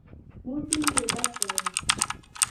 موټ يې ډک کړ.